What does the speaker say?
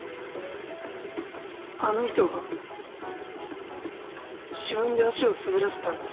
あの人が自分で足を滑らせたんです。